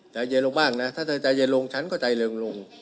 ใจเย็นลงบ้างนะถ้าเธอใจเย็นลงฉันก็ใจเริงลง